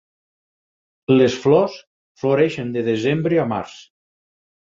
Les flors floreixen de desembre a març.